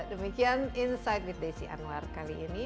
demikian insight with desi anwar kali ini